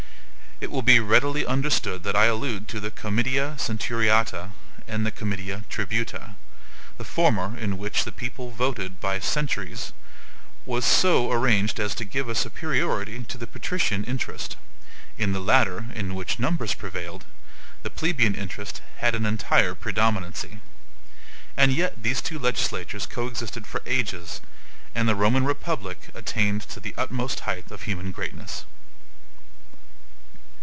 It will be readily understood that I allude to the COMITIA CENTURIATA and the COMITIA TRIBUTA. The former, in which the people voted by centuries, was so arranged as to give a superiority to the patrician interest; in the latter, in which numbers prevailed, the plebian interest had an entire predominancy. And yet these two legislatures coexisted for ages, and the Roman republic attained to the utmost height of human greatness.